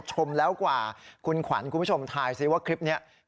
หลักล้านแต่ตอนนี้